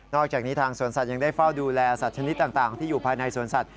อกจากนี้ทางสวนสัตว์ยังได้เฝ้าดูแลสัตว์ชนิดต่างที่อยู่ภายในสวนสัตว